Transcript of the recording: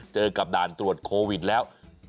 เจอกับด่านตรวจโควิดแล้ว